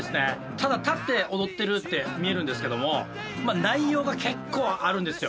ただ立って踊ってるって見えるんですけども内容が結構あるんですよ。